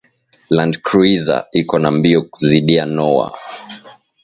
Land cruser iko na mbio kuzidia noah